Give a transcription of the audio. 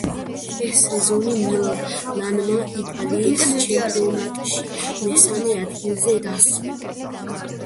ეს სეზონი „მილანმა“ იტალიის ჩემპიონატში მესამე ადგილზე დაასრულა.